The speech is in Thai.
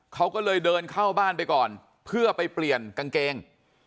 เขาก็เลยเดินเข้าบ้านไปก่อนเพื่อไปเปลี่ยนกางเกง